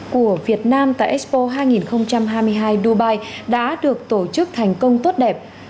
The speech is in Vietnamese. của việt nam tại expo hai nghìn hai mươi hai dubai đã được tổ chức thành công tốt đẹp